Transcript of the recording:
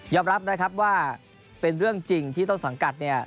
รับนะครับว่าเป็นเรื่องจริงที่ต้นสังกัดเนี่ย